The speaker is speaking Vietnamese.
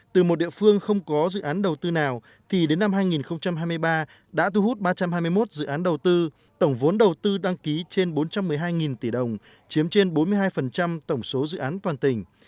từ một địa phương không có dự án đầu tư nào thì đến năm hai nghìn hai mươi ba đã thu hút ba trăm hai mươi một dự án đầu tư tổng vốn đầu tư đăng ký trên bốn trăm một mươi hai tỷ đồng chiếm trên bốn mươi hai tổng số dự án toàn tỉnh